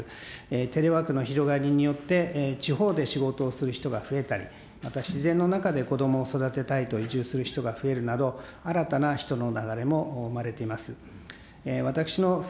テレワークの広がりによって、地方で仕事をする人が増えたり、また自然の中でこどもを育てたいと移住する人が増えるなど、新たな人の流れも生まれています。